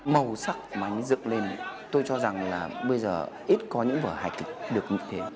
màu sắc mà anh dựng lên tôi cho rằng là bây giờ ít có những vở hài kịch được như thế